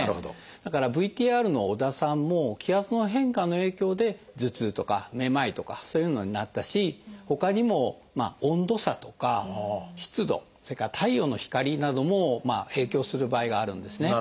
だからＶＴＲの織田さんも気圧の変化の影響で頭痛とかめまいとかそういうのになったしほかにも温度差とか湿度それから太陽の光なども影響する場合があるんですね。